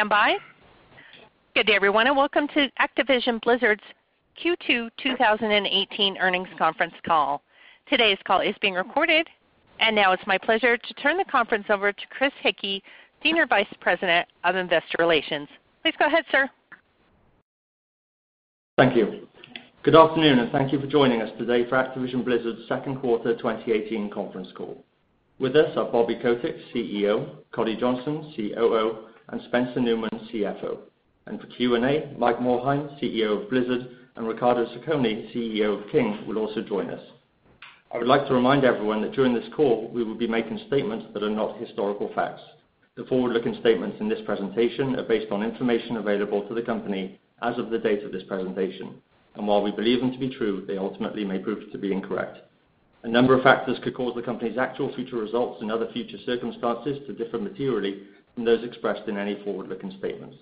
Please stand by. Good day, everyone, and welcome to Activision Blizzard's Q2 2018 earnings conference call. Today's call is being recorded. Now it's my pleasure to turn the conference over to Chris Hickey, Senior Vice President of Investor Relations. Please go ahead, sir. Thank you. Good afternoon, and thank you for joining us today for Activision Blizzard's second quarter 2018 conference call. With us are Bobby Kotick, CEO, Coddy Johnson, COO, and Spencer Neumann, CFO. For Q&A, Mike Morhaime, CEO of Blizzard, and Riccardo Zacconi, CEO of King, will also join us. I would like to remind everyone that during this call, we will be making statements that are not historical facts. The forward-looking statements in this presentation are based on information available to the company as of the date of this presentation. While we believe them to be true, they ultimately may prove to be incorrect. A number of factors could cause the company's actual future results and other future circumstances to differ materially from those expressed in any forward-looking statements.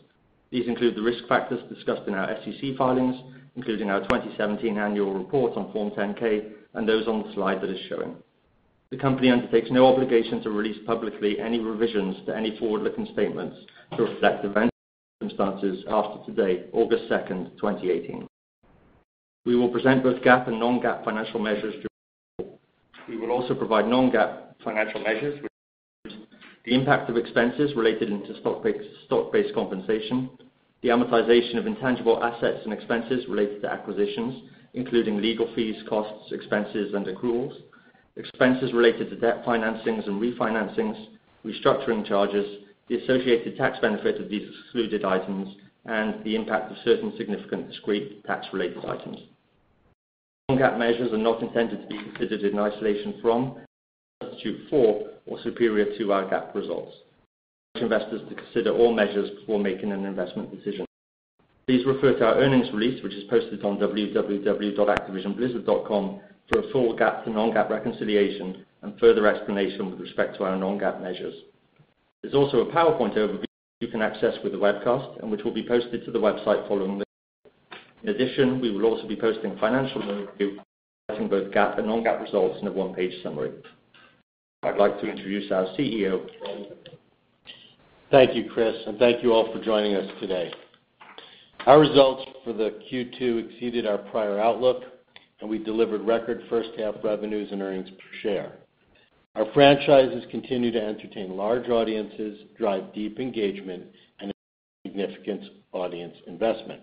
These include the risk factors discussed in our SEC filings, including our 2017 annual report on Form 10-K and those on the slide that is showing. The company undertakes no obligation to release publicly any revisions to any forward-looking statements to reflect events or circumstances after today, August 2nd, 2018. We will present both GAAP and non-GAAP financial measures during the call. We will also provide non-GAAP financial measures, which include the impact of expenses related to stock-based compensation, the amortization of intangible assets and expenses related to acquisitions, including legal fees, costs, expenses, and accruals, expenses related to debt financings and refinancings, restructuring charges, the associated tax benefit of these excluded items, and the impact of certain significant discrete tax-related items. Non-GAAP measures are not intended to be considered in isolation from, or substitute for, or superior to, our GAAP results. We encourage investors to consider all measures before making an investment decision. Please refer to our earnings release, which is posted on www.activisionblizzard.com, for a full GAAP to non-GAAP reconciliation and further explanation with respect to our non-GAAP measures. There's also a PowerPoint overview you can access with the webcast and which will be posted to the website following the call. In addition, we will also be posting a financial overview outlining both GAAP and non-GAAP results in a one-page summary. I'd like to introduce our CEO, Bobby Kotick. Thank you, Chris, and thank you all for joining us today. Our results for Q2 exceeded our prior outlook, and we delivered record first-half revenues and earnings per share. Our franchises continue to entertain large audiences, drive deep engagement, and attract significant audience investment.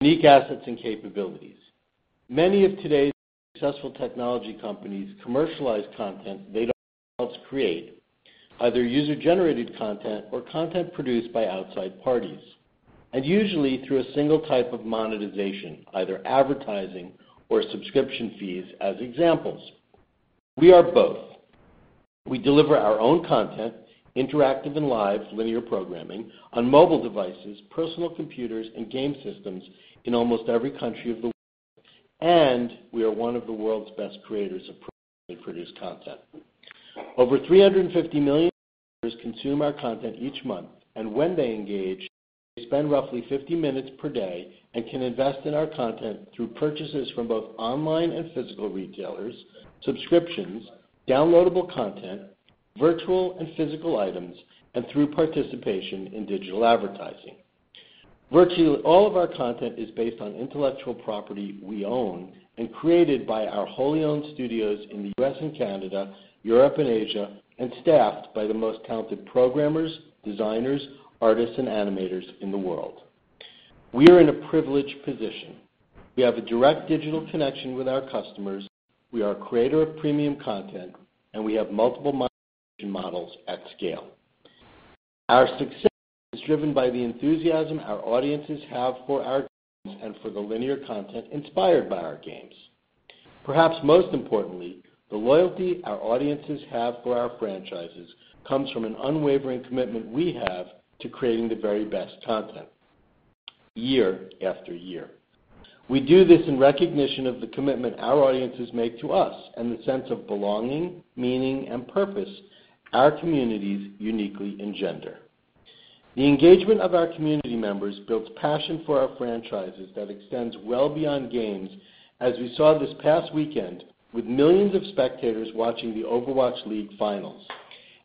Unique assets and capabilities. Many of today's successful technology companies commercialize content they don't always create, either user-generated content or content produced by outside parties, and usually through a single type of monetization, either advertising or subscription fees as examples. We are both. We deliver our own content, interactive and live linear programming on mobile devices, personal computers, and game systems in almost every country of the world. We are one of the world's best creators of professionally produced content. Over 350 million players consume our content each month, and when they engage, they spend roughly 50 minutes per day and can invest in our content through purchases from both online and physical retailers, subscriptions, downloadable content, virtual and physical items, and through participation in digital advertising. Virtually all of our content is based on intellectual property we own and created by our wholly-owned studios in the U.S. and Canada, Europe, and Asia, and staffed by the most talented programmers, designers, artists, and animators in the world. We are in a privileged position. We have a direct digital connection with our customers. We are a creator of premium content, and we have multiple monetization models at scale. Our success is driven by the enthusiasm our audiences have for our games and for the linear content inspired by our games. Perhaps most importantly, the loyalty our audiences have for our franchises comes from an unwavering commitment we have to creating the very best content year after year. We do this in recognition of the commitment our audiences make to us and the sense of belonging, meaning, and purpose our communities uniquely engender. The engagement of our community members builds passion for our franchises that extends well beyond games, as we saw this past weekend with millions of spectators watching the Overwatch League finals.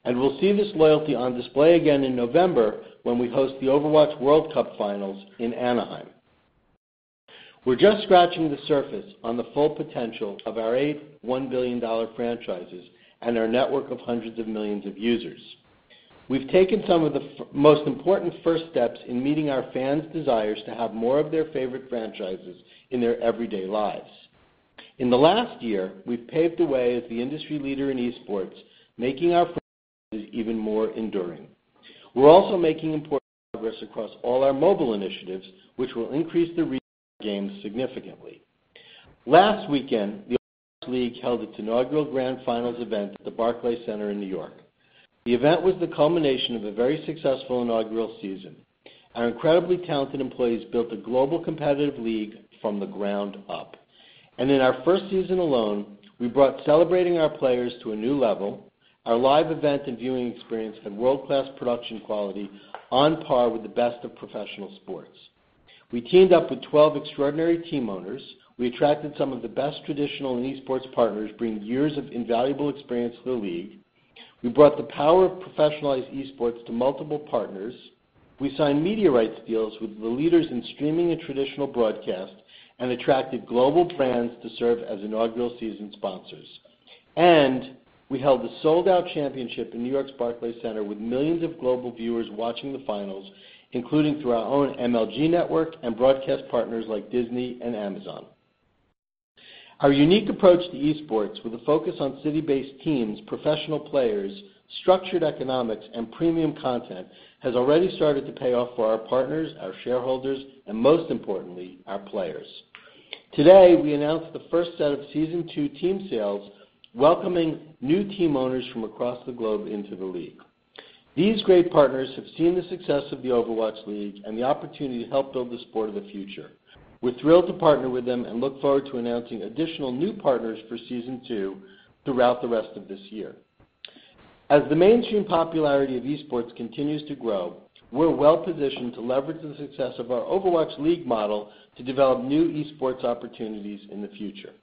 We'll see this loyalty on display again in November when we host the Overwatch World Cup finals in Anaheim. We're just scratching the surface on the full potential of our 8 $1 billion franchises and our network of hundreds of millions of users. We've taken some of the most important first steps in meeting our fans' desires to have more of their favorite franchises in their everyday lives. In the last year, we've paved the way as the industry leader in esports, making our franchises even more enduring. We're also making important progress across all our mobile initiatives, which will increase the reach of our games significantly. Last weekend, the Overwatch League held its inaugural grand finals event at the Barclays Center in N.Y. The event was the culmination of a very successful inaugural season. Our incredibly talented employees built a global competitive league from the ground up. In our first season alone, we brought celebrating our players to a new level. Our live event and viewing experience had world-class production quality on par with the best of professional sports. We teamed up with 12 extraordinary team owners. We attracted some of the best traditional and esports partners, bringing years of invaluable experience to the league. We brought the power of professionalized esports to multiple partners. We signed media rights deals with the leaders in streaming and traditional broadcast, attracted global brands to serve as inaugural season sponsors. We held a sold-out championship in New York's Barclays Center with millions of global viewers watching the finals, including through our own MLG network and broadcast partners like Disney and Amazon. Our unique approach to esports, with a focus on city-based teams, professional players, structured economics, and premium content, has already started to pay off for our partners, our shareholders, and most importantly, our players. Today, we announced the first set of Season 2 team sales, welcoming new team owners from across the globe into the league. These great partners have seen the success of the Overwatch League and the opportunity to help build the sport of the future. We're thrilled to partner with them and look forward to announcing additional new partners for Season 2 throughout the rest of this year. As the mainstream popularity of esports continues to grow, we're well-positioned to leverage the success of our Overwatch League model to develop new esports opportunities in the future.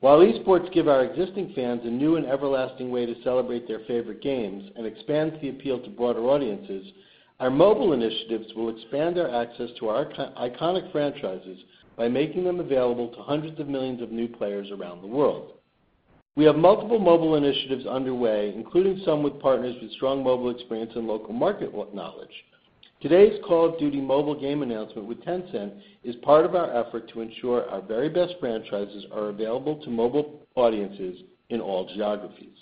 While esports give our existing fans a new and everlasting way to celebrate their favorite games and expands the appeal to broader audiences, our mobile initiatives will expand our access to our iconic franchises by making them available to hundreds of millions of new players around the world. We have multiple mobile initiatives underway, including some with partners with strong mobile experience and local market knowledge. Today's Call of Duty: Mobile announcement with Tencent is part of our effort to ensure our very best franchises are available to mobile audiences in all geographies.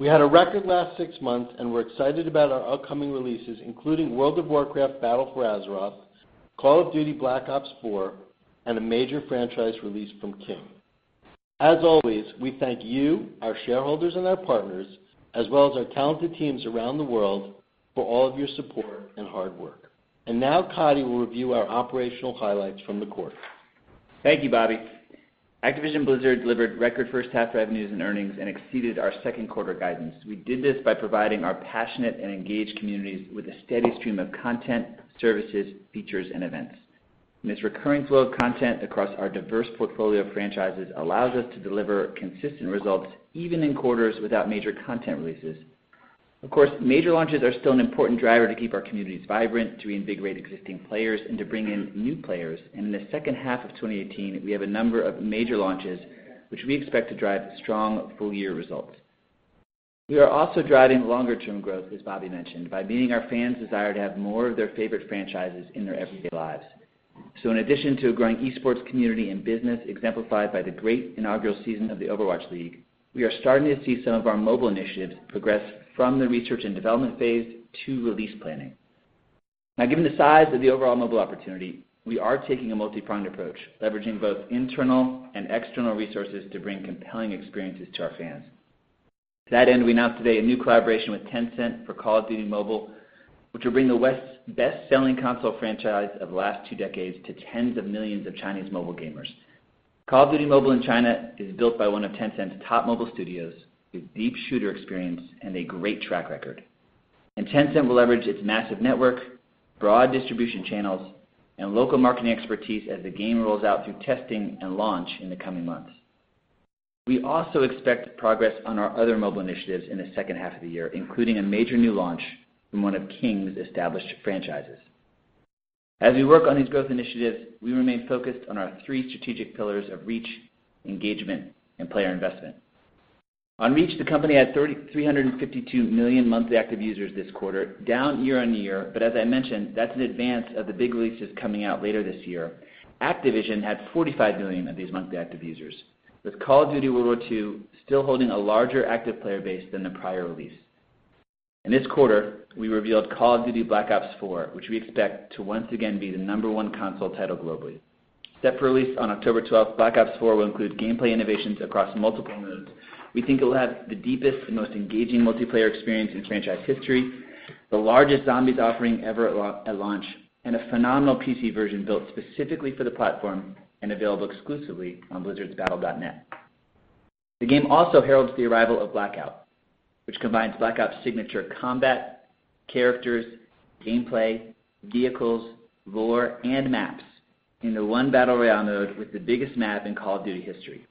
We had a record last six months, we're excited about our upcoming releases, including World of Warcraft: Battle for Azeroth, Call of Duty: Black Ops 4, and a major franchise release from King. As always, we thank you, our shareholders and our partners, as well as our talented teams around the world, for all of your support and hard work. Now Coddy will review our operational highlights from the quarter. Thank you, Bobby. Activision Blizzard delivered record first half revenues and earnings and exceeded our second quarter guidance. We did this by providing our passionate and engaged communities with a steady stream of content, services, features, and events. This recurring flow of content across our diverse portfolio of franchises allows us to deliver consistent results even in quarters without major content releases. Of course, major launches are still an important driver to keep our communities vibrant, to reinvigorate existing players, and to bring in new players. In the second half of 2018, we have a number of major launches, which we expect to drive strong full-year results. We are also driving longer-term growth, as Bobby mentioned, by meeting our fans' desire to have more of their favorite franchises in their everyday lives. In addition to a growing esports community and business exemplified by the great inaugural season of the Overwatch League, we are starting to see some of our mobile initiatives progress from the research and development phase to release planning. Given the size of the overall mobile opportunity, we are taking a multi-pronged approach, leveraging both internal and external resources to bring compelling experiences to our fans. To that end, we announced today a new collaboration with Tencent for Call of Duty: Mobile, which will bring the West's best-selling console franchise of the last two decades to tens of millions of Chinese mobile gamers. Call of Duty: Mobile in China is built by one of Tencent's top mobile studios with deep shooter experience and a great track record. Tencent will leverage its massive network, broad distribution channels, and local marketing expertise as the game rolls out through testing and launch in the coming months. We also expect progress on our other mobile initiatives in the second half of the year, including a major new launch from one of King's established franchises. As we work on these growth initiatives, we remain focused on our three strategic pillars of reach, engagement, and player investment. On reach, the company had 352 million monthly active users this quarter, down year-on-year. As I mentioned, that's in advance of the big releases coming out later this year. Activision had 45 million of these monthly active users, with Call of Duty: WWII still holding a larger active player base than the prior release. In this quarter, we revealed Call of Duty: Black Ops 4, which we expect to once again be the number one console title globally. Set for release on October 12th, Black Ops 4 will include gameplay innovations across multiple modes. We think it will have the deepest and most engaging multiplayer experience in franchise history, the largest Zombies offering ever at launch, and a phenomenal PC version built specifically for the platform and available exclusively on Blizzard's Battle.net. The game also heralds the arrival of Blackout, which combines Black Ops signature combat, characters, gameplay, vehicles, lore, and maps into one battle royale mode with the biggest map in Call of Duty history.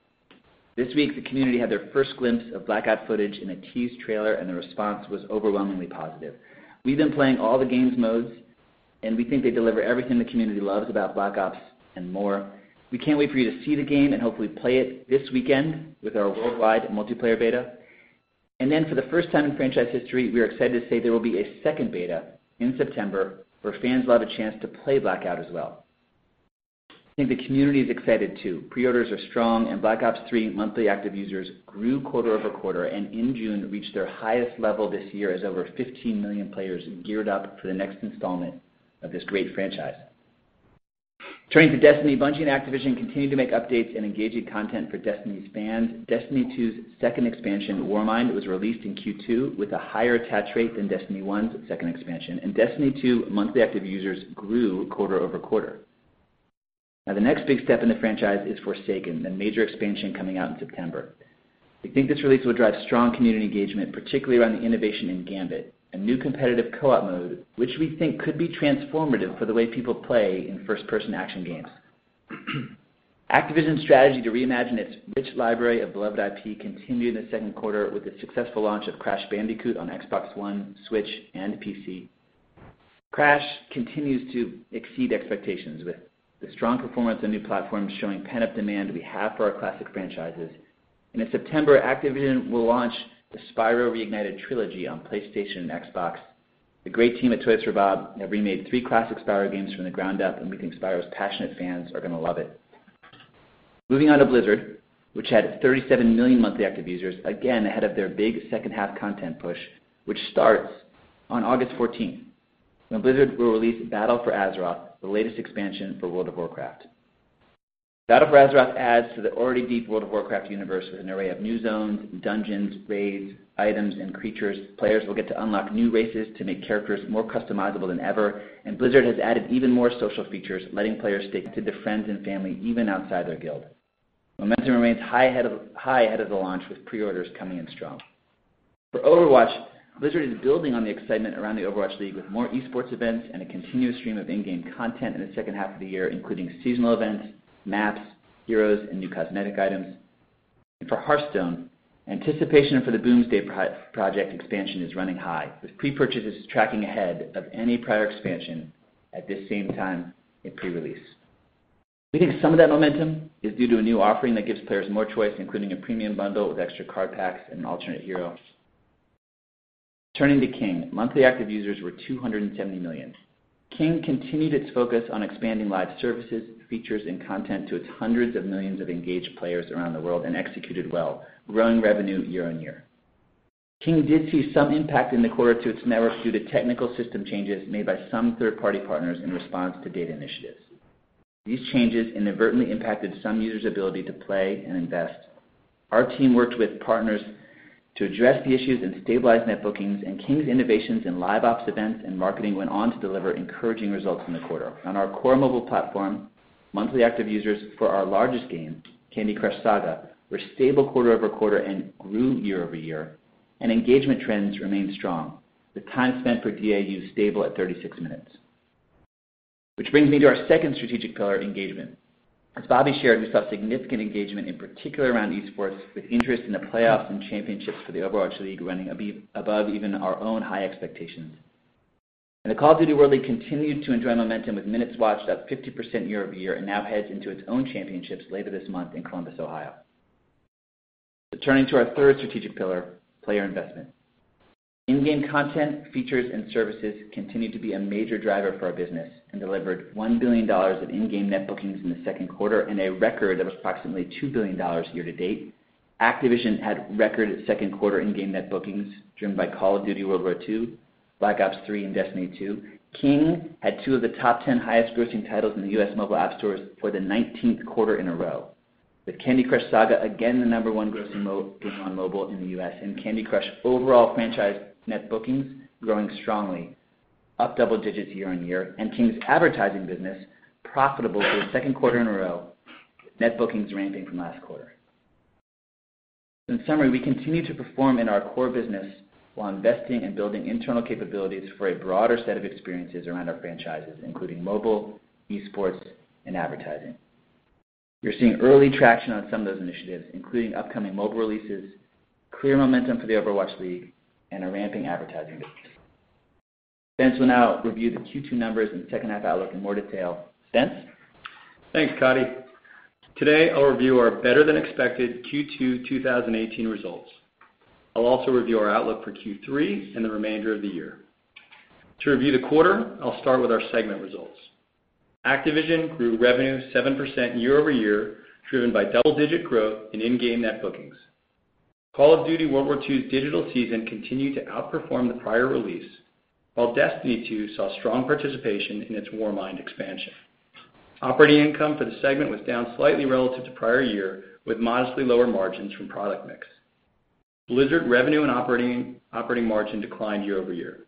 This week, the community had their first glimpse of Black Ops footage in a teased trailer, and the response was overwhelmingly positive. We've been playing all the game's modes, we think they deliver everything the community loves about Black Ops and more. We can't wait for you to see the game and hopefully play it this weekend with our worldwide multiplayer beta. For the first time in franchise history, we are excited to say there will be a second beta in September where fans will have a chance to play Blackout as well. I think the community is excited too. Pre-orders are strong, Black Ops III monthly active users grew quarter-over-quarter and in June reached their highest level this year as over 15 million players geared up for the next installment of this great franchise. Turning to Destiny, Bungie and Activision continue to make updates and engaging content for Destiny's fans. Destiny 2's second expansion, Warmind, was released in Q2 with a higher attach rate than Destiny 1's second expansion. Destiny 2 monthly active users grew quarter-over-quarter. The next big step in the franchise is Forsaken, the major expansion coming out in September. We think this release will drive strong community engagement, particularly around the innovation in Gambit, a new competitive co-op mode, which we think could be transformative for the way people play in first-person action games. Activision's strategy to reimagine its rich library of beloved IP continued in the second quarter with the successful launch of Crash Bandicoot on Xbox One, Switch, and PC. Crash continues to exceed expectations with the strong performance on new platforms showing pent-up demand we have for our classic franchises. In September, Activision will launch the Spyro Reignited Trilogy on PlayStation and Xbox. The great team at Toys for Bob have remade three classic Spyro games from the ground up, and we think Spyro's passionate fans are going to love it. Blizzard had 37 million monthly active users, again ahead of their big second half content push, which starts on August 14th, when Blizzard will release Battle for Azeroth, the latest expansion for World of Warcraft. Battle for Azeroth adds to the already deep World of Warcraft universe with an array of new zones, dungeons, raids, items, and creatures. Players will get to unlock new races to make characters more customizable than ever. Blizzard has added even more social features, letting players stay connected to friends and family even outside their guild. Momentum remains high ahead of the launch, with pre-orders coming in strong. Overwatch, Blizzard is building on the excitement around the Overwatch League with more esports events and a continuous stream of in-game content in the second half of the year, including seasonal events, maps, heroes, and new cosmetic items. Hearthstone, anticipation for The Boomsday Project expansion is running high with pre-purchases tracking ahead of any prior expansion at this same time in pre-release. We think some of that momentum is due to a new offering that gives players more choice, including a premium bundle with extra card packs and alternate heroes. King. Monthly active users were 270 million. King continued its focus on expanding live services, features, and content to its hundreds of millions of engaged players around the world and executed well, growing revenue year-over-year. King did see some impact in the quarter to its networks due to technical system changes made by some third-party partners in response to data initiatives. These changes inadvertently impacted some users' ability to play and invest. Our team worked with partners to address the issues and stabilize net bookings. King's innovations in live ops events and marketing went on to deliver encouraging results in the quarter. On our core mobile platform, monthly active users for our largest game, Candy Crush Saga, were stable quarter-over-quarter and grew year-over-year, and engagement trends remained strong with time spent per DAU stable at 36 minutes. Which brings me to our second strategic pillar, engagement. As Bobby shared, we saw significant engagement in particular around esports with interest in the playoffs and championships for the Overwatch League running above even our own high expectations. The Call of Duty world continued to enjoy momentum with minutes watched up 50% year-over-year and now heads into its own championships later this month in Columbus, Ohio. Turning to our third strategic pillar, player investment. In-game content, features, and services continued to be a major driver for our business and delivered $1 billion of in-game net bookings in the second quarter and a record of approximately $2 billion year-to-date. Activision had record second quarter in-game net bookings driven by Call of Duty: WWII, Black Ops III, and Destiny 2. King had 2 of the top 10 highest grossing titles in the U.S. mobile app stores for the 19th quarter in a row with Candy Crush Saga again the number 1 grossing game on mobile in the U.S. and Candy Crush overall franchise net bookings growing strongly, up double digits year-on-year. King's advertising business profitable for a second quarter in a row with net bookings ramping from last quarter. In summary, we continue to perform in our core business while investing in building internal capabilities for a broader set of experiences around our franchises, including mobile, esports, and advertising. We are seeing early traction on some of those initiatives, including upcoming mobile releases, clear momentum for the Overwatch League, and a ramping advertising business. Spence will now review the Q2 numbers and second half outlook in more detail. Spence? Thanks, Coddy. Today, I'll review our better-than-expected Q2 2018 results. I'll also review our outlook for Q3 and the remainder of the year. To review the quarter, I'll start with our segment results. Activision grew revenue 7% year-over-year, driven by double-digit growth in in-game net bookings. Call of Duty: WWII's digital season continued to outperform the prior release, while Destiny 2 saw strong participation in its Warmind expansion. Operating income for the segment was down slightly relative to prior year, with modestly lower margins from product mix. Blizzard revenue and operating margin declined year-over-year.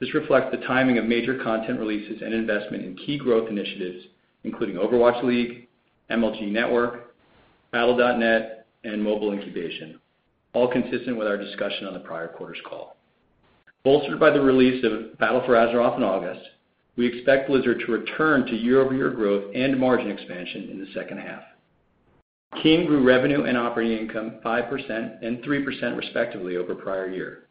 This reflects the timing of major content releases and investment in key growth initiatives, including Overwatch League, MLG Network, Battle.net, and mobile incubation, all consistent with our discussion on the prior quarter's call. Bolstered by the release of Battle for Azeroth in August, we expect Blizzard to return to year-over-year growth and margin expansion in the second half. King grew revenue and operating income 5% and 3% respectively over prior year.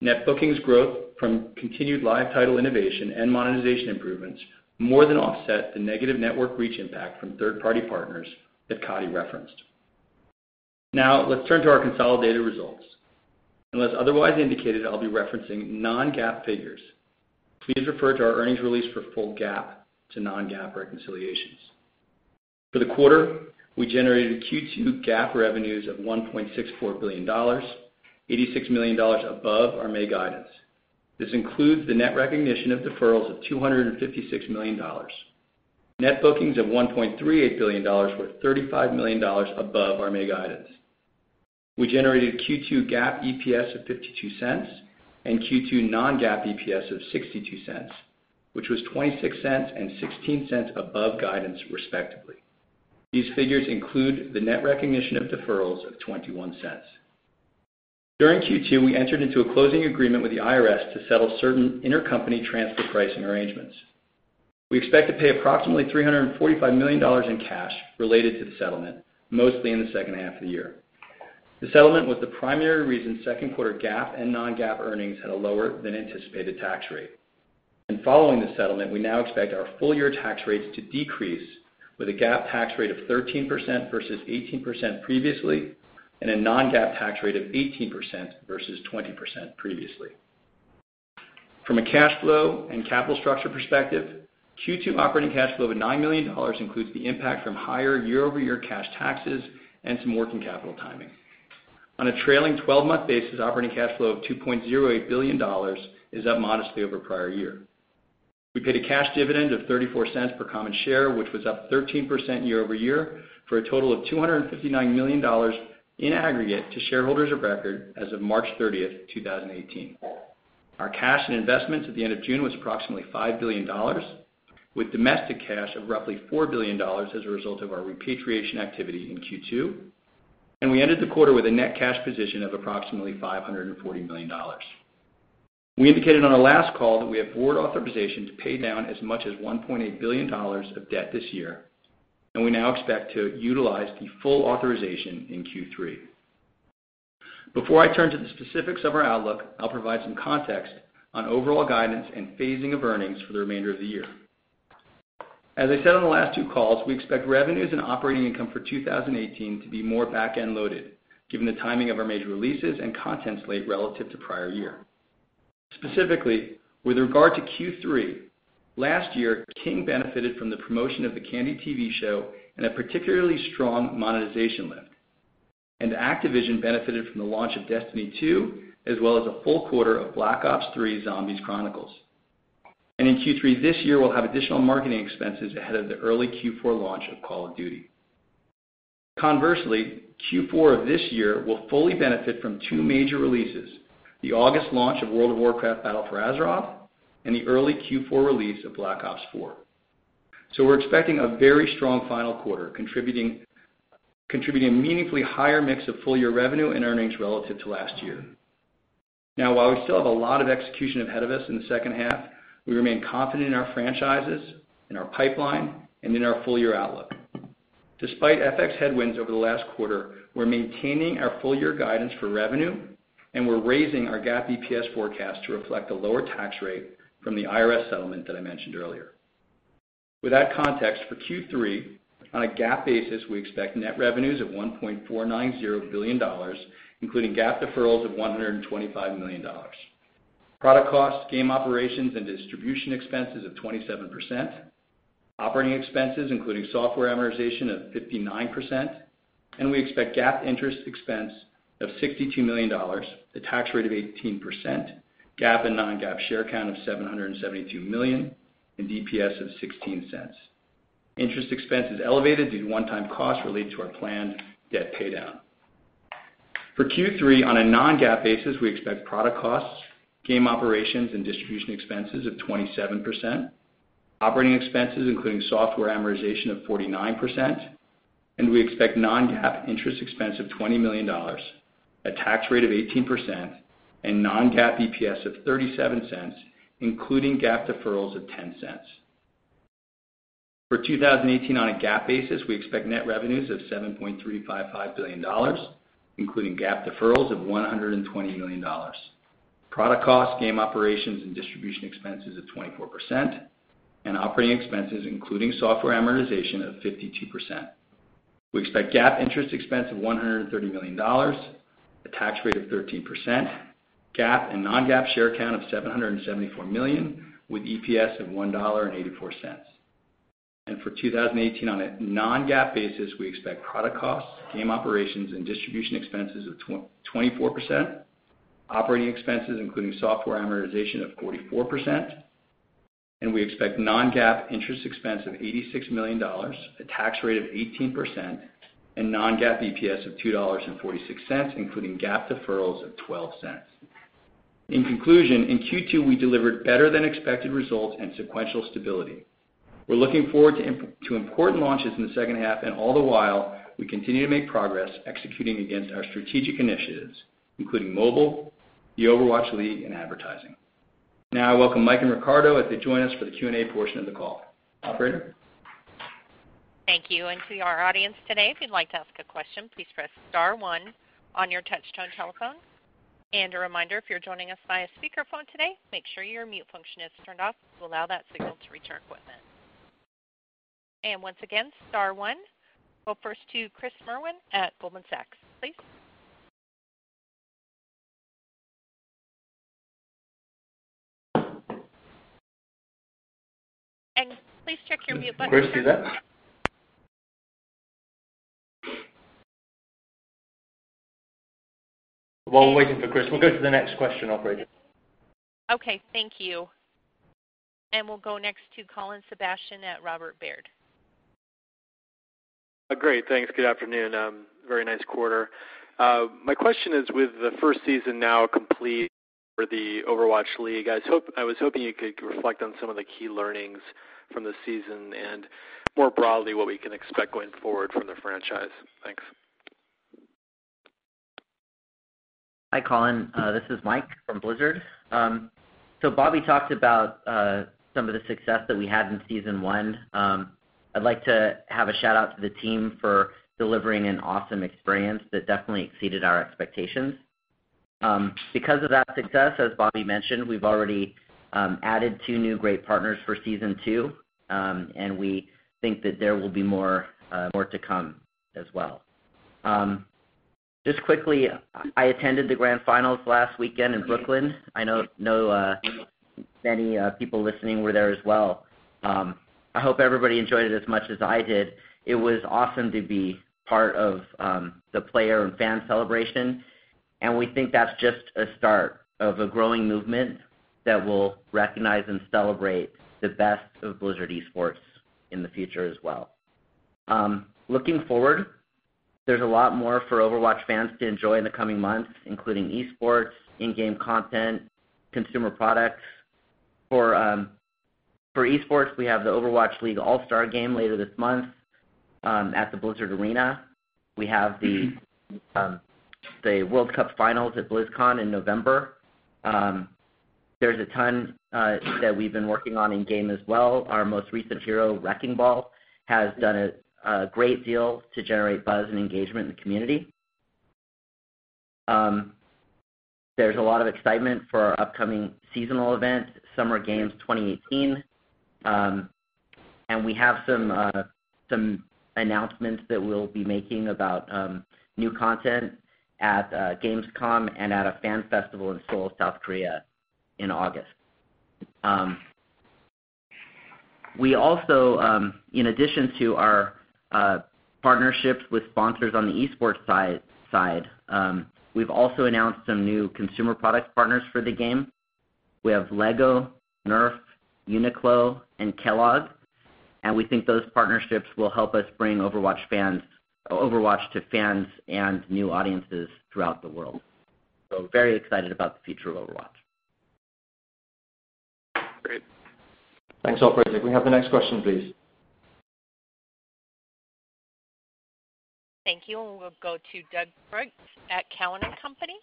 Net bookings growth from continued live title innovation and monetization improvements more than offset the negative network reach impact from third-party partners that Coddy referenced. Let's turn to our consolidated results. Unless otherwise indicated, I'll be referencing non-GAAP figures. Please refer to our earnings release for full GAAP to non-GAAP reconciliations. For the quarter, we generated Q2 GAAP revenues of $1.64 billion, $86 million above our May guidance. This includes the net recognition of deferrals of $256 million. Net bookings of $1.38 billion were $35 million above our May guidance. We generated Q2 GAAP EPS of $0.52 and Q2 non-GAAP EPS of $0.62, which was $0.26 and $0.16 above guidance respectively. These figures include the net recognition of deferrals of $0.21. During Q2, we entered into a closing agreement with the IRS to settle certain intercompany transfer pricing arrangements. We expect to pay approximately $345 million in cash related to the settlement, mostly in the second half of the year. The settlement was the primary reason second quarter GAAP and non-GAAP earnings had a lower than anticipated tax rate. Following the settlement, we now expect our full year tax rates to decrease with a GAAP tax rate of 13% versus 18% previously, and a non-GAAP tax rate of 18% versus 20% previously. From a cash flow and capital structure perspective, Q2 operating cash flow of $9 million includes the impact from higher year-over-year cash taxes and some working capital timing. On a trailing 12-month basis, operating cash flow of $2.08 billion is up modestly over prior year. We paid a cash dividend of $0.34 per common share, which was up 13% year-over-year for a total of $259 million in aggregate to shareholders of record as of March 30th, 2018. Our cash and investments at the end of June was approximately $5 billion with domestic cash of roughly $4 billion as a result of our repatriation activity in Q2, and we ended the quarter with a net cash position of approximately $540 million. We indicated on our last call that we have board authorization to pay down as much as $1.8 billion of debt this year, and we now expect to utilize the full authorization in Q3. Before I turn to the specifics of our outlook, I'll provide some context on overall guidance and phasing of earnings for the remainder of the year. As I said on the last two calls, we expect revenues and operating income for 2018 to be more back-end loaded, given the timing of our major releases and content slate relative to prior year. Specifically, with regard to Q3, last year King benefited from the promotion of the "Candy" TV show and a particularly strong monetization lift. Activision benefited from the launch of Destiny 2, as well as a full quarter of Call of Duty: Black Ops III Zombies Chronicles. In Q3 this year, we'll have additional marketing expenses ahead of the early Q4 launch of Call of Duty. Conversely, Q4 of this year will fully benefit from two major releases, the August launch of World of Warcraft: Battle for Azeroth, and the early Q4 release of Black Ops 4. We're expecting a very strong final quarter contributing meaningfully higher mix of full year revenue and earnings relative to last year. Now while we still have a lot of execution ahead of us in the second half, we remain confident in our franchises, in our pipeline, and in our full year outlook. Despite FX headwinds over the last quarter, we're maintaining our full year guidance for revenue, and we're raising our GAAP EPS forecast to reflect a lower tax rate from the IRS settlement that I mentioned earlier. With that context for Q3, on a GAAP basis, we expect net revenues of $1.490 billion, including GAAP deferrals of $125 million. Product costs, game operations, and distribution expenses of 27%, operating expenses, including software amortization of 59%. We expect GAAP interest expense of $62 million, a tax rate of 18%, GAAP and non-GAAP share count of 772 million, and EPS of $0.16. Interest expense is elevated due to one-time costs related to our planned debt paydown. For Q3 on a non-GAAP basis, we expect product costs, game operations, and distribution expenses of 27%, operating expenses, including software amortization of 49%. We expect non-GAAP interest expense of $20 million, a tax rate of 18%, and non-GAAP EPS of $0.37, including GAAP deferrals of $0.10. For 2018 on a GAAP basis, we expect net revenues of $7.355 billion, including GAAP deferrals of $120 million. Product costs, game operations, and distribution expenses of 24%, operating expenses, including software amortization of 52%. We expect GAAP interest expense of $130 million, a tax rate of 13%, GAAP and non-GAAP share count of 774 million with EPS of $1.84. For 2018 on a non-GAAP basis, we expect product costs, game operations, and distribution expenses of 24%, operating expenses, including software amortization of 44%. We expect non-GAAP interest expense of $86 million, a tax rate of 18%, and non-GAAP EPS of $2.46, including GAAP deferrals of $0.12. In conclusion, in Q2, we delivered better-than-expected results and sequential stability. We're looking forward to important launches in the second half. All the while, we continue to make progress executing against our strategic initiatives, including mobile, the Overwatch League, and advertising. Now I welcome Mike and Riccardo as they join us for the Q&A portion of the call. Operator. Thank you. To our audience today, if you'd like to ask a question, please press star one on your touch-tone telephone. A reminder, if you're joining us via speakerphone today, make sure your mute function is turned off to allow that signal to reach our equipment. Once again, star one. We'll first to Chris Merwin at Goldman Sachs, please. Please check your mute button- Can Chris hear that? While we're waiting for Chris, we'll go to the next question, operator. Okay. Thank you. We'll go next to Colin Sebastian at Robert W. Baird. Great. Thanks. Good afternoon. Very nice quarter. My question is, with the first season now complete for the Overwatch League, I was hoping you could reflect on some of the key learnings from the season and more broadly, what we can expect going forward from the franchise. Thanks. Hi, Colin. This is Mike from Blizzard. Bobby talked about some of the success that we had in season one. I'd like to have a shout-out to the team for delivering an awesome experience that definitely exceeded our expectations. Because of that success, as Bobby mentioned, we've already added two new great partners for season two. We think that there will be more to come as well. Just quickly, I attended the grand finals last weekend in Brooklyn. I know many people listening were there as well. I hope everybody enjoyed it as much as I did. It was awesome to be part of the player and fan celebration. We think that's just a start of a growing movement that will recognize and celebrate the best of Blizzard esports in the future as well. Looking forward, there's a lot more for Overwatch fans to enjoy in the coming months, including esports, in-game content, consumer products. For esports, we have the Overwatch League All-Star Game later this month at the Blizzard Arena. We have the World Cup Finals at BlizzCon in November. There's a ton that we've been working on in-game as well. Our most recent hero, Wrecking Ball, has done a great deal to generate buzz and engagement in the community. There's a lot of excitement for our upcoming seasonal event, Summer Games 2018. We have some announcements that we'll be making about new content at Gamescom and at a fan festival in Seoul, South Korea in August. We also, in addition to our partnerships with sponsors on the esports side, we've also announced some new consumer product partners for the game. We have Lego, Nerf, Uniqlo and Kellogg, we think those partnerships will help us bring Overwatch to fans and new audiences throughout the world. Very excited about the future of Overwatch. Great. Thanks, operator. Can we have the next question, please? Thank you. We'll go to Doug Creutz at Cowen and Company.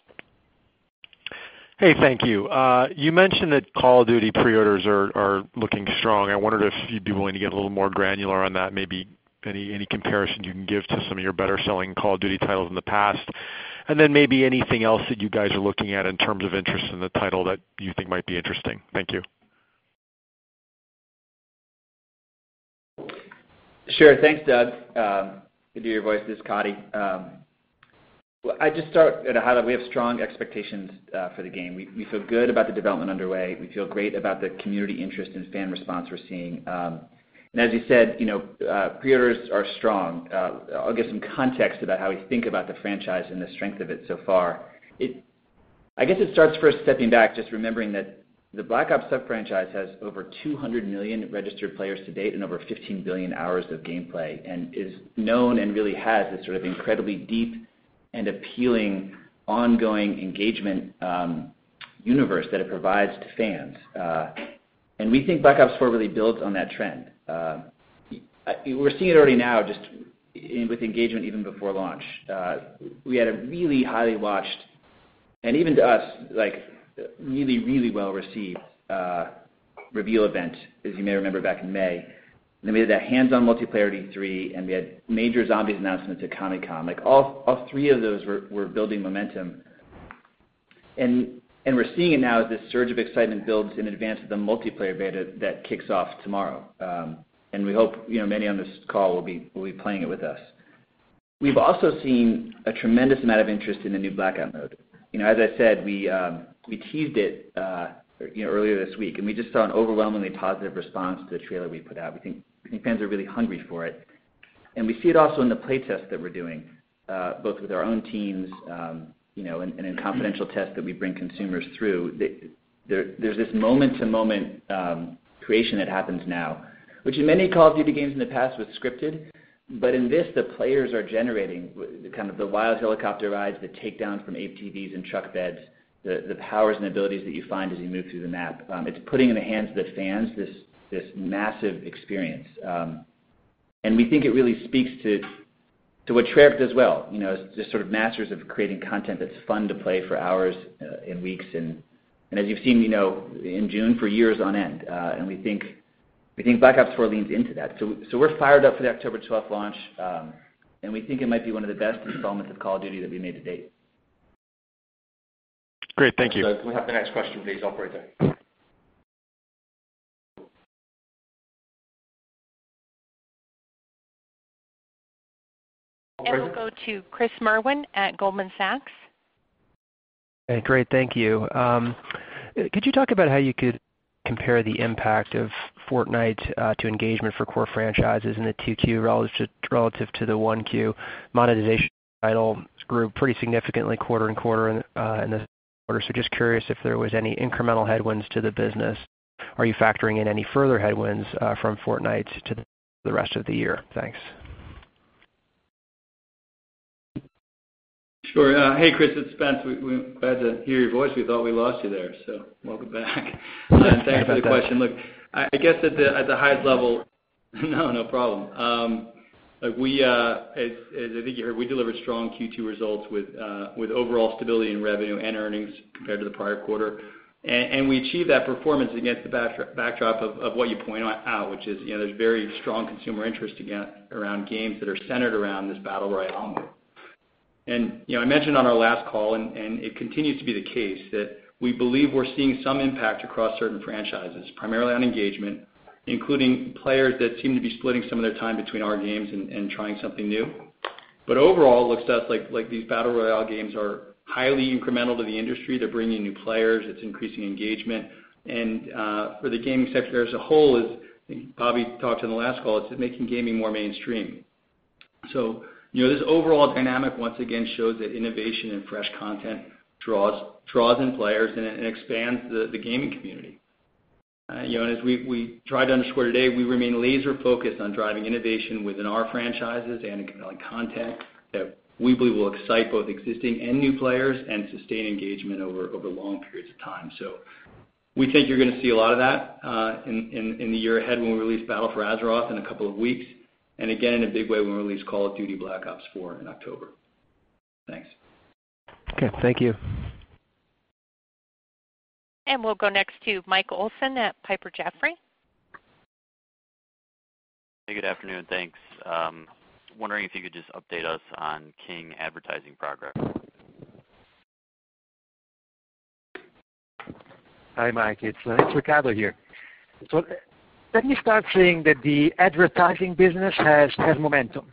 Thank you. You mentioned that Call of Duty pre-orders are looking strong. I wondered if you'd be willing to get a little more granular on that. Maybe any comparison you can give to some of your better-selling Call of Duty titles in the past, then maybe anything else that you guys are looking at in terms of interest in the title that you think might be interesting. Thank you. Sure. Thanks, Doug. Familiar voice. This is Coddy. I just start at a high level. We have strong expectations for the game. We feel good about the development underway. We feel great about the community interest and fan response we're seeing. As you said, pre-orders are strong. I'll give some context about how we think about the franchise and the strength of it so far. I guess it starts first stepping back, just remembering that the Black Ops sub-franchise has over 200 million registered players to date and over 15 billion hours of gameplay, is known and really has this sort of incredibly deep and appealing ongoing engagement universe that it provides to fans. We think Black Ops IV really builds on that trend. We're seeing it already now just with engagement even before launch. We had a really highly watched, even to us, really well-received reveal event, as you may remember back in May. We had that hands-on multiplayer at E3, and we had major Zombies announcements at Comic-Con. All three of those were building momentum. We're seeing it now as this surge of excitement builds in advance of the multiplayer beta that kicks off tomorrow. We hope many on this call will be playing it with us. We've also seen a tremendous amount of interest in the new Blackout mode. As I said, we teased it earlier this week, and we just saw an overwhelmingly positive response to the trailer we put out. We think fans are really hungry for it. We see it also in the play test that we're doing, both with our own teams and in confidential tests that we bring consumers through. There's this moment-to-moment creation that happens now, which in many Call of Duty games in the past was scripted. In this, the players are generating kind of the wild helicopter rides, the takedowns from ATVs and truck beds, the powers and abilities that you find as you move through the map. It's putting in the hands of the fans this massive experience. We think it really speaks to what Treyarch does well, just sort of masters of creating content that's fun to play for hours and weeks and, as you've seen, in June for years on end. We think Black Ops IV leans into that. We're fired up for the October 12th launch, and we think it might be one of the best installments of Call of Duty that we made to date. Great. Thank you. Can we have the next question, please, operator? We'll go to Chris Merwin at Goldman Sachs. Great. Thank you. Could you talk about how you could compare the impact of Fortnite" to engagement for core franchises in the 2Q relative to the 1Q. Monetization title grew pretty significantly quarter and quarter in the quarter. Just curious if there was any incremental headwinds to the business. Are you factoring in any further headwinds from "Fortnite" to the rest of the year? Thanks. Sure. Hey, Chris, it's Spence. We're glad to hear your voice. We thought we lost you there, so welcome back. Thanks for the question. Look, I guess at the highest level. No, no problem. As I think you heard, we delivered strong Q2 results with overall stability in revenue and earnings compared to the prior quarter. We achieved that performance against the backdrop of what you pointed out, which is there's very strong consumer interest around games that are centered around this battle royale genre. I mentioned on our last call, and it continues to be the case, that we believe we're seeing some impact across certain franchises, primarily on engagement, including players that seem to be splitting some of their time between our games and trying something new. Overall, it looks to us like these battle royale games are highly incremental to the industry. They're bringing new players, it's increasing engagement. For the gaming sector as a whole, as Bobby talked in the last call, it's making gaming more mainstream. This overall dynamic, once again, shows that innovation and fresh content draws in players and expands the gaming community. As we try to underscore today, we remain laser-focused on driving innovation within our franchises and compelling content that we believe will excite both existing and new players and sustain engagement over long periods of time. We think you're going to see a lot of that in the year ahead when we release "Battle for Azeroth" in a couple of weeks, and again, in a big way, when we release "Call of Duty: Black Ops 4" in October. Thanks. Okay, thank you. We'll go next to Michael Olson at Piper Jaffray. Hey, good afternoon. Thanks. I'm wondering if you could just update us on King advertising progress. Hi, Mike, it's Riccardo here. Let me start saying that the advertising business has momentum.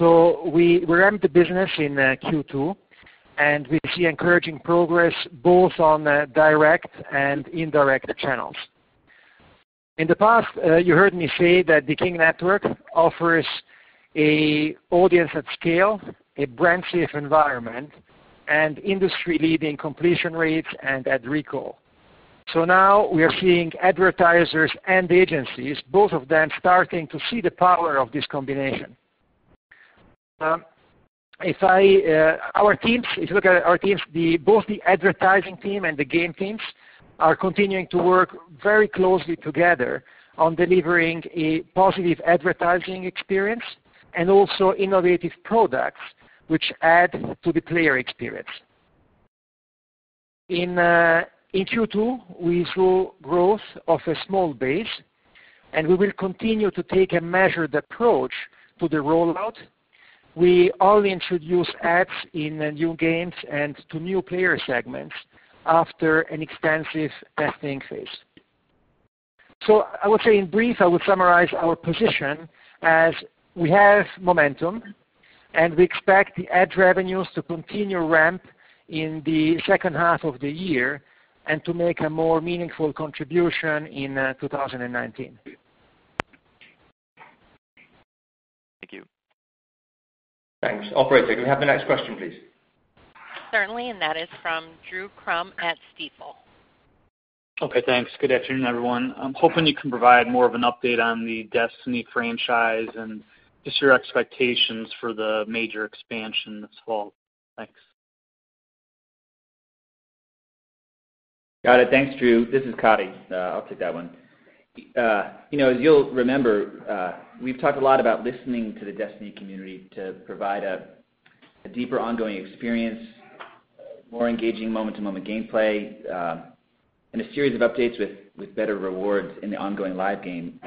We ramped the business in Q2, and we see encouraging progress both on direct and indirect channels. In the past, you heard me say that the King network offers an audience at scale, a brand-safe environment, and industry-leading completion rates and ad recall. Now we are seeing advertisers and agencies, both of them starting to see the power of this combination. If you look at our teams, both the advertising team and the game teams are continuing to work very closely together on delivering a positive advertising experience and also innovative products which add to the player experience. In Q2, we saw growth of a small base, and we will continue to take a measured approach to the rollout. We only introduce ads in new games and to new player segments after an extensive testing phase. I would say in brief, I would summarize our position as we have momentum, and we expect the ad revenues to continue ramp in the second half of the year and to make a more meaningful contribution in 2019. Thank you. Thanks. Operator, can we have the next question, please? Certainly, that is from Drew Crum at Stifel. Okay, thanks. Good afternoon, everyone. I'm hoping you can provide more of an update on the Destiny franchise and just your expectations for the major expansion this fall. Thanks. Got it. Thanks, Drew Crum. This is Coddy. I'll take that one. As you'll remember, we've talked a lot about listening to the Destiny community to provide a deeper ongoing experience, more engaging moment-to-moment gameplay, and a series of updates with better rewards in the ongoing live game.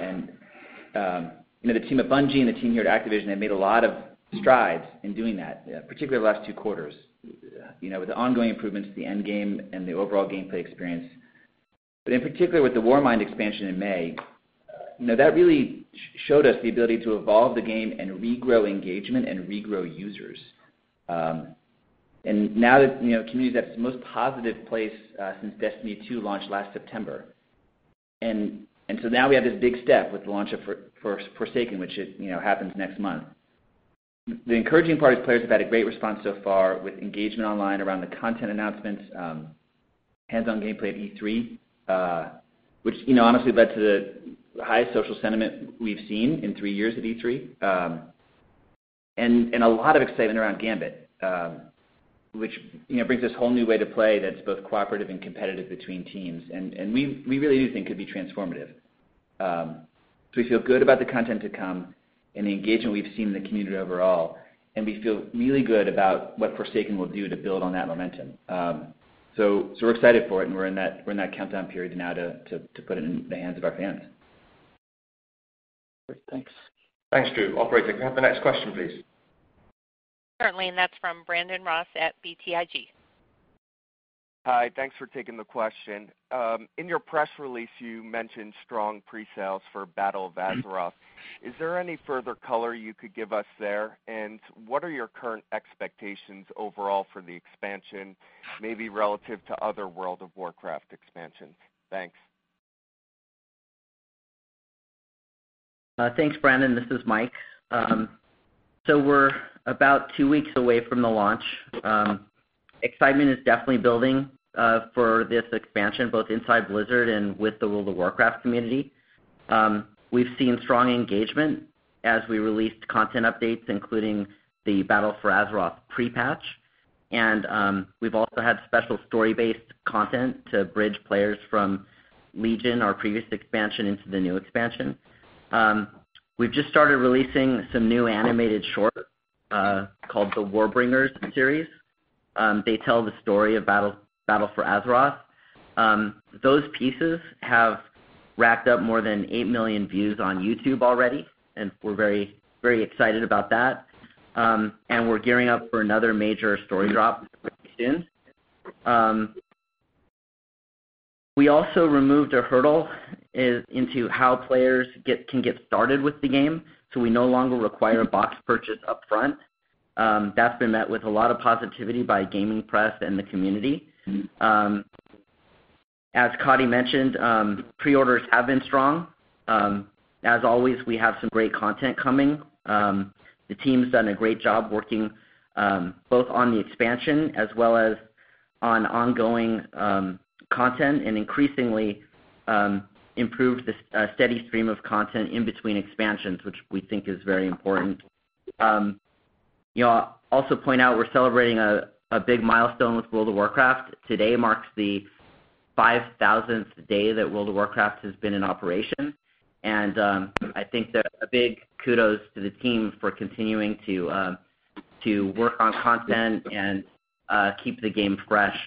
The team at Bungie and the team here at Activision have made a lot of strides in doing that, particularly the last two quarters with the ongoing improvements to the end game and the overall gameplay experience. In particular, with the Warmind expansion in May, that really showed us the ability to evolve the game and regrow engagement and regrow users. The community's at its most positive place since Destiny 2 launched last September. Now we have this big step with the launch of Forsaken, which happens next month. The encouraging part is players have had a great response so far with engagement online around the content announcements, hands-on gameplay at E3 which honestly led to the highest social sentiment we've seen in three years at E3. A lot of excitement around Gambit which brings this whole new way to play that's both cooperative and competitive between teams, and we really do think could be transformative. We feel good about the content to come and the engagement we've seen in the community overall, and we feel really good about what Forsaken will do to build on that momentum. We're excited for it, and we're in that countdown period now to put it in the hands of our fans. Great. Thanks. Thanks, Drew Crum. Operator, can I have the next question, please? Certainly, that's from Brandon Ross at BTIG. Hi. Thanks for taking the question. In your press release, you mentioned strong pre-sales for Battle for Azeroth. Is there any further color you could give us there? What are your current expectations overall for the expansion, maybe relative to other World of Warcraft expansions? Thanks. Thanks, Brandon. This is Mike. We're about two weeks away from the launch. Excitement is definitely building for this expansion, both inside Blizzard and with the World of Warcraft community. We've seen strong engagement as we released content updates, including the Battle for Azeroth pre-patch, we've also had special story-based content to bridge players from Legion, our previous expansion, into the new expansion. We've just started releasing some new animated shorts called the Warbringers series. They tell the story of Battle for Azeroth. Those pieces have racked up more than eight million views on YouTube already, we're very excited about that. We're gearing up for another major story drop pretty soon. We also removed a hurdle into how players can get started with the game, so we no longer require a box purchase upfront. That's been met with a lot of positivity by gaming press and the community. As Coddy mentioned, pre-orders have been strong. As always, we have some great content coming. The team's done a great job working both on the expansion as well as on ongoing content and increasingly improved the steady stream of content in between expansions, which we think is very important. Also point out we're celebrating a big milestone with World of Warcraft. Today marks the 5,000th day that World of Warcraft has been in operation. I think that a big kudos to the team for continuing to work on content and keep the game fresh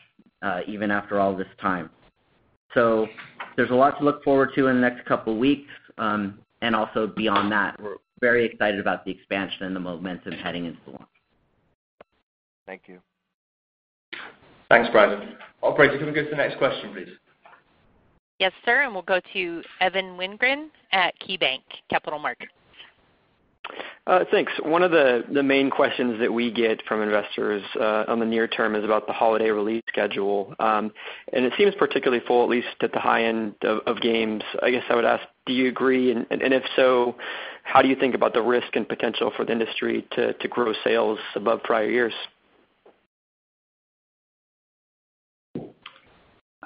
even after all this time. There's a lot to look forward to in the next couple of weeks. Also beyond that. We're very excited about the expansion and the momentum heading into launch. Thank you. Thanks, Brandon. Operator, can we go to the next question, please? Yes, sir, we'll go to Evan Wingren at KeyBanc Capital Markets. Thanks. One of the main questions that we get from investors on the near term is about the holiday release schedule. It seems particularly full, at least at the high end of games. I guess I would ask, do you agree? If so, how do you think about the risk and potential for the industry to grow sales above prior years?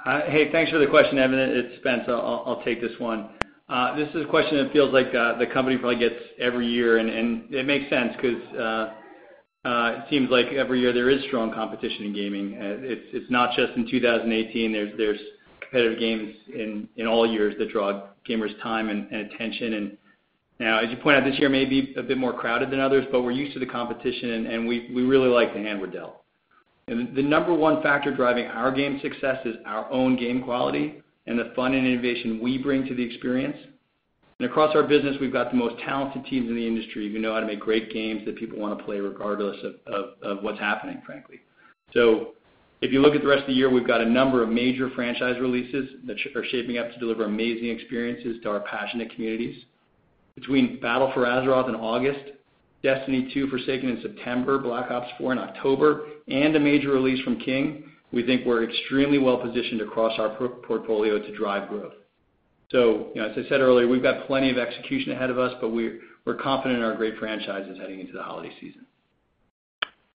Thanks for the question, Evan. It's Spence. I'll take this one. This is a question that feels like the company probably gets every year, and it makes sense because it seems like every year there is strong competition in gaming. It's not just in 2018. There's competitive games in all years that draw gamers' time and attention, and now, as you point out, this year may be a bit more crowded than others, but we're used to the competition, and we really like the hand we're dealt. The number 1 factor driving our game success is our own game quality and the fun and innovation we bring to the experience. Across our business, we've got the most talented teams in the industry who know how to make great games that people want to play regardless of what's happening, frankly. If you look at the rest of the year, we've got a number of major franchise releases that are shaping up to deliver amazing experiences to our passionate communities. Between Battle for Azeroth in August, Destiny 2: Forsaken in September, Black Ops IV in October, and a major release from King, we think we're extremely well-positioned across our portfolio to drive growth. As I said earlier, we've got plenty of execution ahead of us, but we're confident in our great franchises heading into the holiday season.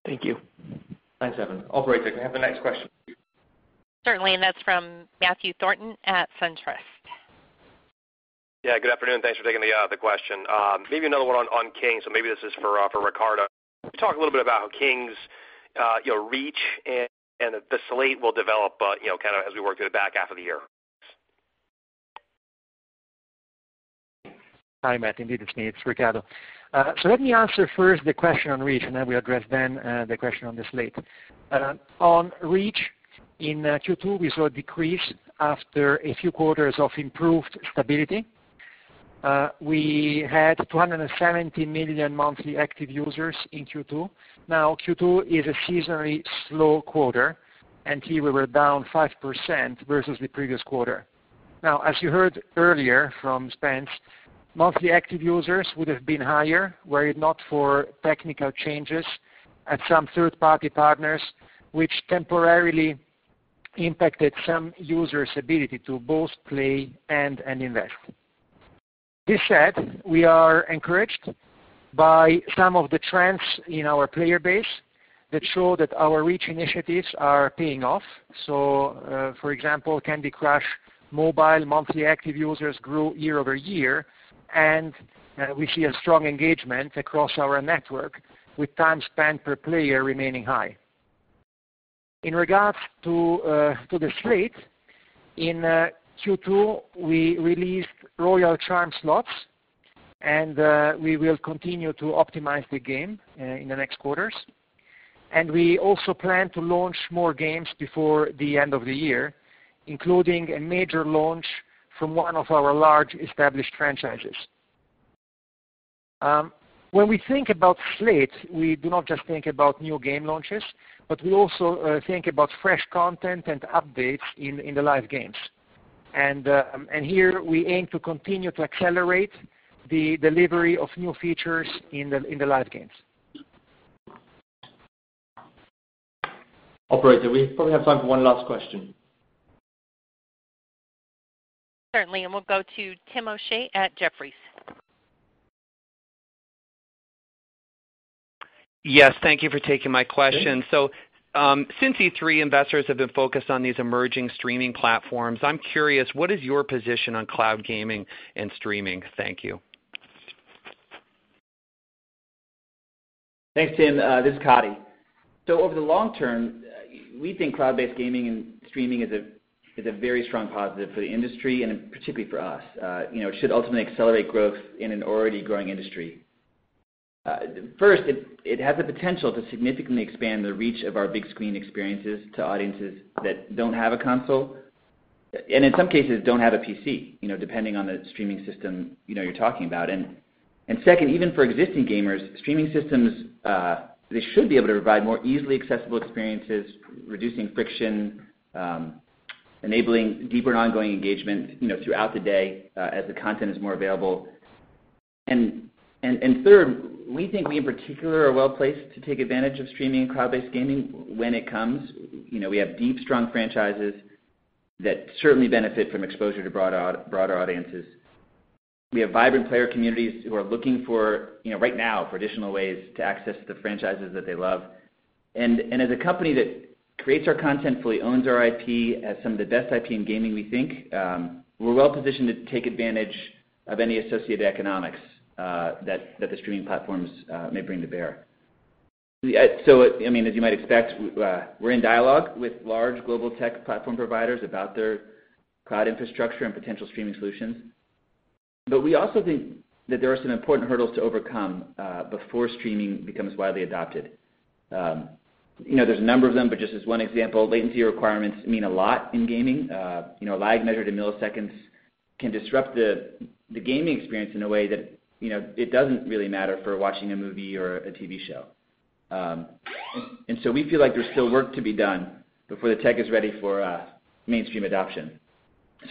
Thank you. Thanks, Evan. Operator, can we have the next question, please? Certainly, that's from Matthew Thornton at SunTrust. Yeah, good afternoon. Thanks for taking the question. Maybe another one on King, maybe this is for Riccardo. Can you talk a little bit about how King's reach and the slate will develop as we work through the back half of the year? Hi, Matt. Indeed, it's me. It's Riccardo. Let me answer first the question on reach, then we address then the question on the slate. On reach in Q2, we saw a decrease after a few quarters of improved stability. We had 270 million monthly active users in Q2. Q2 is a seasonally slow quarter, here we were down 5% versus the previous quarter. As you heard earlier from Spence, monthly active users would have been higher were it not for technical changes at some third-party partners, which temporarily impacted some users' ability to both play and invest. This said, we are encouraged by some of the trends in our player base that show that our reach initiatives are paying off. For example, Candy Crush mobile monthly active users grew year-over-year, we see a strong engagement across our network with time spent per player remaining high. In regards to the slate, in Q2, we released Royal Charm Slots, we will continue to optimize the game in the next quarters. We also plan to launch more games before the end of the year, including a major launch from one of our large established franchises. When we think about slate, we do not just think about new game launches, we also think about fresh content and updates in the live games. Here we aim to continue to accelerate the delivery of new features in the live games. Operator, we probably have time for one last question. Certainly. We'll go to Timothy O'Shea at Jefferies. Yes. Thank you for taking my question. Since E3, investors have been focused on these emerging streaming platforms. I'm curious, what is your position on cloud gaming and streaming? Thank you. Thanks, Tim. This is Coddy. Over the long term, we think cloud-based gaming and streaming is a very strong positive for the industry, and particularly for us. It should ultimately accelerate growth in an already growing industry. First, it has the potential to significantly expand the reach of our big screen experiences to audiences that don't have a console, and in some cases, don't have a PC, depending on the streaming system you're talking about. Second, even for existing gamers, streaming systems, they should be able to provide more easily accessible experiences, reducing friction, enabling deeper and ongoing engagement throughout the day as the content is more available. Third, we think we in particular are well-placed to take advantage of streaming and cloud-based gaming when it comes. We have deep, strong franchises that certainly benefit from exposure to broader audiences. We have vibrant player communities who are looking right now for additional ways to access the franchises that they love. As a company that creates our content, fully owns our IP, has some of the best IP in gaming, we think we're well-positioned to take advantage of any associated economics that the streaming platforms may bring to bear. As you might expect, we're in dialogue with large global tech platform providers about their cloud infrastructure and potential streaming solutions. We also think that there are some important hurdles to overcome before streaming becomes widely adopted. There's a number of them, but just as one example, latency requirements mean a lot in gaming. Lag measured in milliseconds can disrupt the gaming experience in a way that it doesn't really matter for watching a movie or a TV show. We feel like there's still work to be done before the tech is ready for mainstream adoption.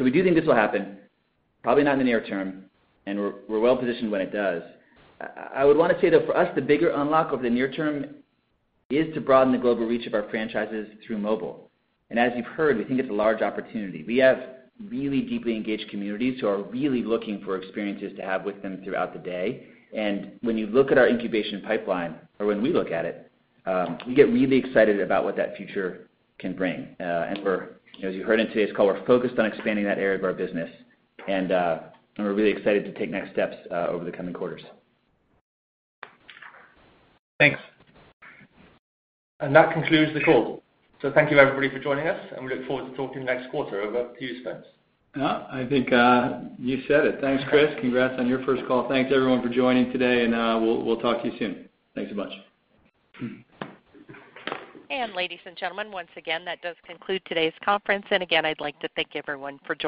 We do think this will happen, probably not in the near term, and we're well-positioned when it does. I would want to say, though, for us, the bigger unlock over the near term is to broaden the global reach of our franchises through mobile. As you've heard, we think it's a large opportunity. We have really deeply engaged communities who are really looking for experiences to have with them throughout the day. When you look at our incubation pipeline, or when we look at it, we get really excited about what that future can bring. As you heard in today's call, we're focused on expanding that area of our business, and we're really excited to take next steps over the coming quarters. Thanks. That concludes the call. Thank you everybody for joining us, and we look forward to talking next quarter. Over to you, Spence. Yeah, I think you said it. Thanks, Chris. Congrats on your first call. Thanks everyone for joining today, and we'll talk to you soon. Thanks a bunch. Ladies and gentlemen, once again, that does conclude today's conference. Again, I'd like to thank everyone for joining